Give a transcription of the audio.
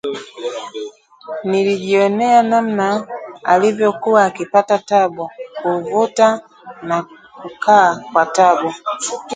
nilijionea namna alivyokuwa akipata tabu kuuvuta na kukaa kwa tabu